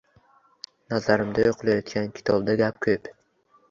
Nazarimda, o‘qilayotgan kitobda gap ko’p.